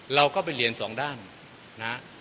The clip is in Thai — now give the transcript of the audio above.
เราก็เป็นเหรียญสองด้านนะ